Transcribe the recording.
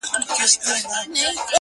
مسافر ليونى.